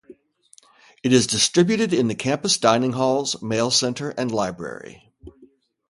It is distributed in the campus dining halls, mail center, and library.